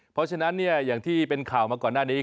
เพราะฉะนั้นอย่างที่เป็นข่าวมาก่อนหน้านี้